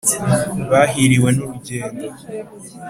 bahiriwe n’urugendo